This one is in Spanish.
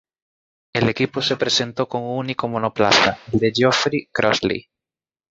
El equipo se presentó con un único monoplaza, el de Geoffrey Crossley.